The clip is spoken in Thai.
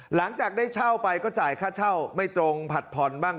หลังจากได้เช่าไปก็จ่ายค่าเช่าไม่ตรงผัดผ่อนบ้าง